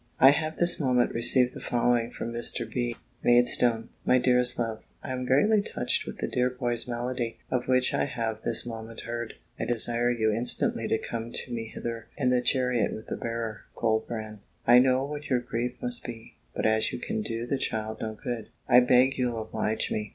I have this moment received the following from Mr. B. Maidstone. "My dearest love, "I am greatly touched with the dear boy's malady, of which I have this moment heard. I desire you instantly to come to me hither, in the chariot with the bearer, Colbrand. I know what your grief must be: but as you can do the child no good, I beg you'll oblige me.